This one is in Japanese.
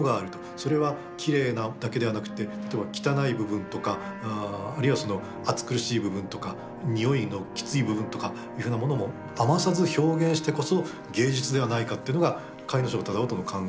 それは綺麗なだけではなくて例えば穢い部分とかあるいは暑苦しい部分とか匂いのきつい部分とかいうふうなものも余さず表現してこそ芸術ではないかっていうのが甲斐荘楠音の考え。